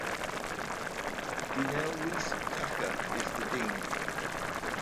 Deanell Reece Tacha is the dean.